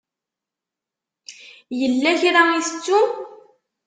Yella kra i tettum?